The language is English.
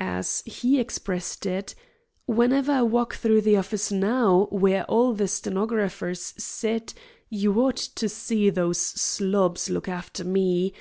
As he expressed it: "Whenever I walk through the office now, where all the stenographers sit, you ought to see those slobs look after me.